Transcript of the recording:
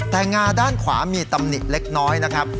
แต่งาด้านขวามีตำหนิเล็กน้อยนะครับ